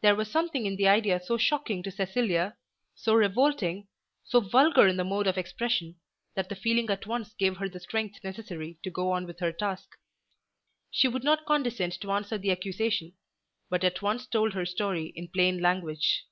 There was something in the idea so shocking to Cecilia, so revolting, so vulgar in the mode of expression, that the feeling at once gave her the strength necessary to go on with her task. She would not condescend to answer the accusation, but at once told her story in plain language.